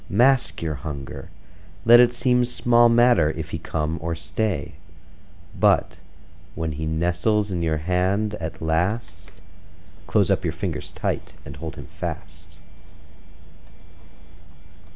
Mask your hunger; let it seem Small matter if he come or stay; But when he nestles in your hand at last, Close up your fingers tight and hold him fast.